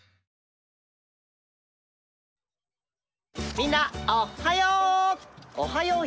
みんなおはよう！